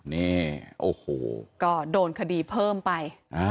นี่โอ้โหก็โดนคดีเพิ่มไป